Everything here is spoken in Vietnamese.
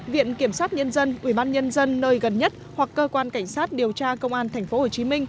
viện kiểm sát nhân dân ubnd nơi gần nhất hoặc cơ quan cảnh sát điều tra công an tp hcm